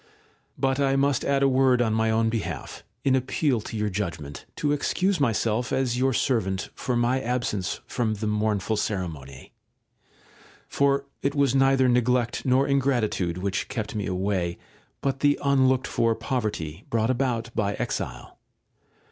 § 3. But I must add a word on my own behalf, in appeal to your judgement, to excuse myself, as your servant, for my absence from the mournful ceremony ; for it was neither neglect nor ingratitude which kept me away, but the unlooked for poverty brought about by exile.